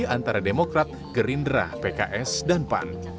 antara demokrat gerindra pks dan pan